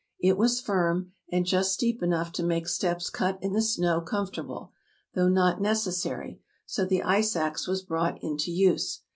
It was firm, and just steep enough to make steps cut in the snow comfortable, though not necessary; so the ice ax was brought into use.